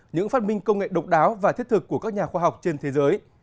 những phát minh công nghệ độc đáo và thiết thực của các nhà khoa học trên thế giới